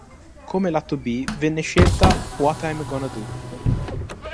Come Lato B venne scelta "What Am I Gonna Do".